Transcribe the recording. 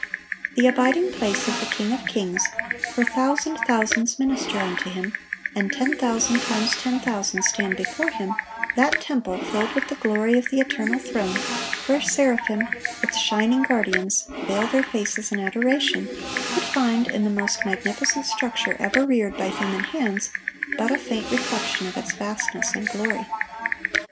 The abiding place of the King of kings, where thousand thousands minister unto Him, and ten thousand times ten thousand stand before Him;(673) that temple, filled with the glory of the eternal throne, where seraphim, its shining guardians, veil their faces in adoration, could find, in the most magnificent structure ever reared by human hands, but a faint reflection of its vastness and glory.